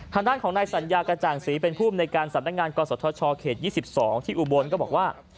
ทางด้านของนายสัญญากระจ่างศรีเป็นผู้อำนวยการสำนักงานกศธชเขต๒๒ที่อุบลก็บอกว่า